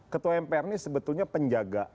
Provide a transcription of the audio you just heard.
ketua mpr ini sebetulnya penjaga